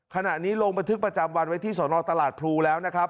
ขณะนี้ลงบันทึกประจำวันไว้ที่สนตลาดพลูแล้วนะครับ